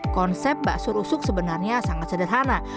konsep bakso rusuk sebenarnya sangat sederhana